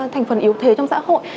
thành phần yếu thế trong xã hội